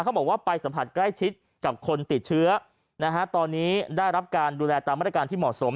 บอกว่าไปสัมผัสใกล้ชิดกับคนติดเชื้อนะฮะตอนนี้ได้รับการดูแลตามมาตรการที่เหมาะสม